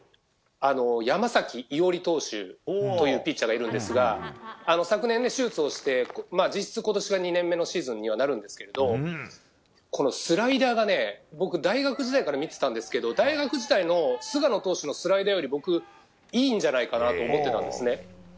山崎伊織投手というピッチャーがいるんですが昨年手術をして実質、今年が２年目のシーズンにはなるんですけれどこのスライダー、僕大学時代から見ていたんですけど大学時代の菅野投手のスライダーよりいいんじゃないかなと思っていたんですね。